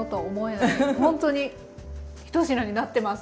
ほんとに１品になってます。